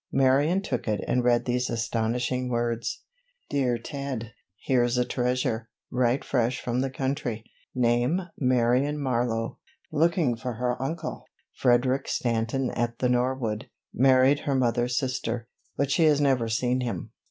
Marion took it and read these astonishing words: "Dear Ted: Here's a treasure, right fresh from the country. Name, Marion Marlowe, looking for her uncle, Frederic Stanton at 'The Norwood.' Married her mother's sister, but she has never seen him.